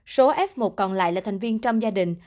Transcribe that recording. số f một còn lại là thành viên trong gia đình